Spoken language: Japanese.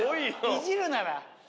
いじるなら。